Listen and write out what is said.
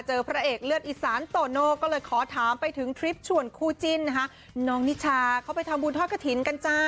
พระเอกเลือดอีสานโตโน่ก็เลยขอถามไปถึงทริปชวนคู่จิ้นนะคะน้องนิชาเขาไปทำบุญทอดกระถิ่นกันจ้า